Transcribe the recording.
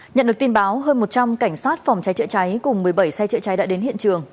nhận được tin báo hơn một trăm linh cảnh sát phòng cháy chữa cháy cùng một mươi bảy xe chữa cháy đã đến hiện trường